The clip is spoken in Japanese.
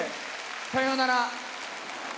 さようなら。